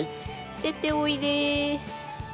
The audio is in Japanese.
出ておいで。